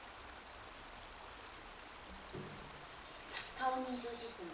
顔認証システム。